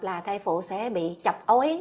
là thai phụ sẽ bị chọc ối